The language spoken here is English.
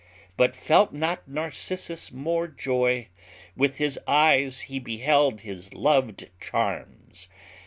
But felt not Narcissus more joy, With his eyes he beheld his loved charms?